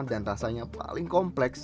dan rasanya paling kompleks